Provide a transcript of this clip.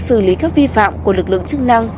xử lý các vi phạm của lực lượng chức năng